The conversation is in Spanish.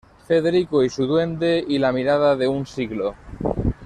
Federico y su Duende y La mirada de un Siglo.